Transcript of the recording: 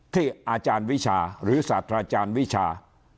ที่อาจารย์วิชาหรือศาสตราจารย์วิชา